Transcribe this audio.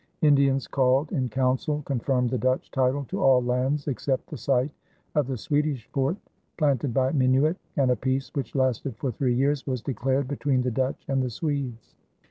Indians called in council confirmed the Dutch title to all lands except the site of the Swedish fort planted by Minuit, and a peace which lasted for three years was declared between the Dutch and the Swedes.